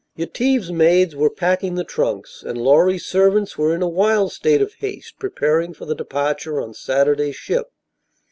Yetive's maids were packing the trunks, and Lorry's servants were in a wild state of haste preparing for the departure on Saturday's ship.